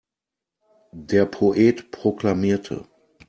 Der Poet proklamierte.